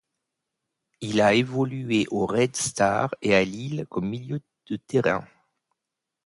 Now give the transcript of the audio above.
Il a évolué au Red Star et à Lille comme milieu de terrain.